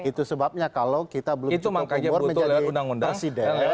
itu sebabnya kalau kita belum berkubur menjadi presiden